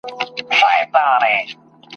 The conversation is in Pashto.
پر کوترو به سوه جوړه د غم خونه !.